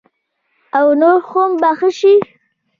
او نور به هم ښه شي.